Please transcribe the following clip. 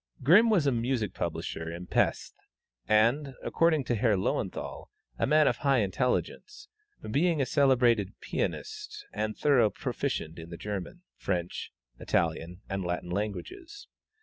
Grimm was a music publisher in Pesth, and, according to Herr Löwenthal, a man of high intelligence, being a celebrated pianist and a thorough proficient in the German, French, Italian, and Latin languages.